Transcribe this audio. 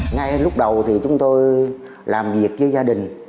ngay lúc đầu thì chúng tôi làm việc với gia đình